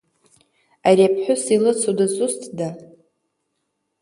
Ари аԥҳәыс илыцу дызусҭда?